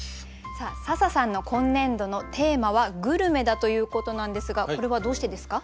笹さんの今年度のテーマは「グルメ」だということなんですがこれはどうしてですか？